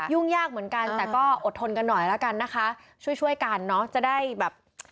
ยากเหมือนกันแต่ก็อดทนกันหน่อยแล้วกันนะคะช่วยช่วยกันเนอะจะได้แบบ